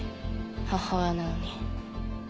母親なのに。